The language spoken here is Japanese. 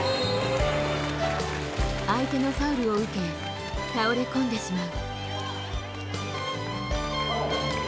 相手のファウルを受け倒れ込んでしまう。